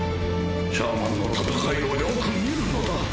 シャーマンの戦いをよく見るのだ。